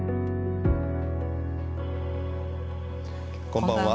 こんばんは。